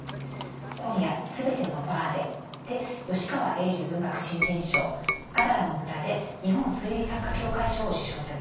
「今夜、すべてのバーで」で吉川英治文学新人賞「ガダラの豚」で日本推理作家協会賞を受賞されています。